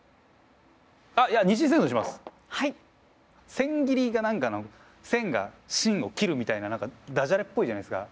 千切りが何か「千」がしんを切るみたいな何かダジャレっぽいじゃないですか。